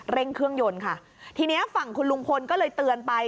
เร่งเครื่องยนต์ค่ะทีนี้ฝั่งคุณลุงพลก็เลยเตือนไป